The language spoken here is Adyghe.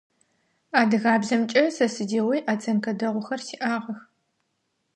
Адыгэбзэмкӏэ сэ сыдигъуи оценкэ дэгъухэр сиӏагъэх.